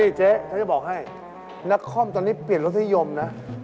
เจ๊ฉันจะบอกให้นักคอมตอนนี้เปลี่ยนรสนิยมนะ